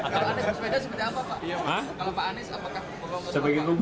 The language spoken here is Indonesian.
mauju ada peluang